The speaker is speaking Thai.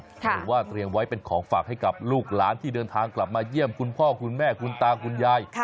หรือว่าเตรียมไว้เป็นของฝากให้กับลูกหลานที่เดินทางกลับมาเยี่ยมคุณพ่อคุณแม่คุณตาคุณยาย